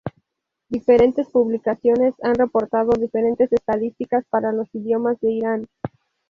Diferentes publicaciones han reportado diferentes estadísticas para los idiomas de Irán.